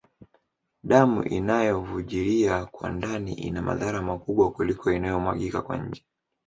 Damu inayovujilia kwa ndani ina madhara makubwa kuliko inayomwagika kwa nje